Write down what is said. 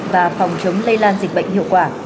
và phòng chống lây lan dịch bệnh hiệu quả